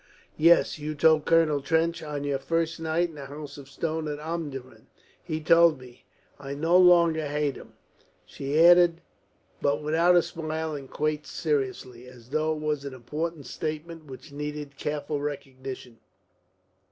"Yes. You told Colonel Trench on your first night in the House of Stone at Omdurman. He told me. I no longer hate him," she added, but without a smile and quite seriously, as though it was an important statement which needed careful recognition.